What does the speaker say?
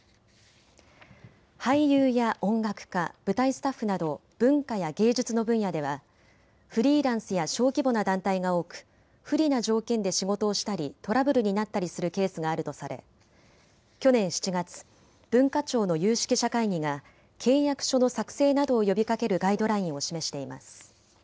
俳優や音楽家、舞台スタッフなど文化や芸術の分野ではフリーランスや小規模な団体が多く、不利な条件で仕事をしたりトラブルになったりするケースがあるとされ去年７月、文化庁の有識者会議が契約書の作成などを呼びかけるガイドラインを示しています。